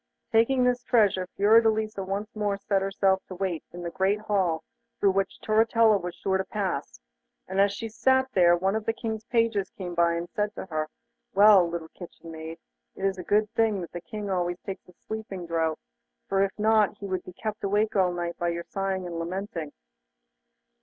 Taking this treasure Fiordelisa once more set herself to wait in the great hall through which Turritella was sure to pass, and as she sat there one of the King's pages came by, and said to her: 'Well, little kitchen maid, it is a good thing that the King always takes a sleeping draught, for if not he would be kept awake all night by your sighing and lamenting.